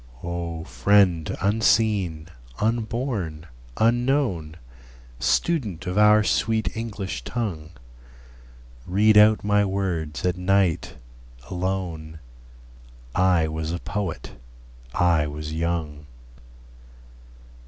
O friend unseen, unborn, unknown, Student of our sweet English tongue, Read out my words at night, alone: I was a poet, I was young.